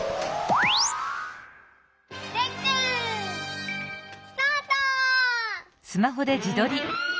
レックスタート！